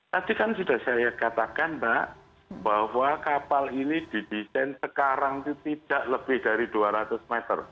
tadi kan sudah saya katakan mbak bahwa kapal ini didesain sekarang itu tidak lebih dari dua ratus meter